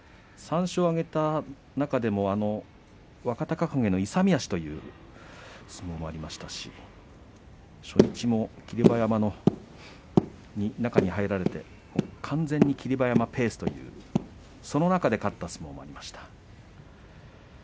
３勝を挙げた中でも若隆景の勇み足という相撲もありましたし初日も霧馬山に中に入られて完全に霧馬山ペースというその中で勝った相撲もありました。